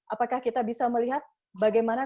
apakah kita bisa melihat bagaimana